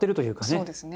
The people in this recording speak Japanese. そうですね。